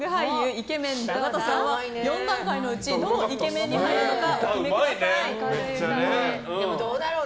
イケメン永田さんは、４段階のうちどのイケメンに入るかどうだろう。